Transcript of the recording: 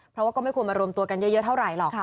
เพราะว่าก็ไม่ควรมารวมตัวกันเยอะเท่าไหร่หรอก